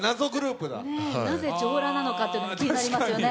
なぜ上裸なのかというのも気になりますよね。